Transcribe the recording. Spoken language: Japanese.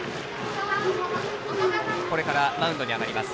これからマウンドに上がります。